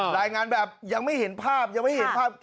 รายงานแบบยังไม่เห็นภาพยังไม่เห็นภาพ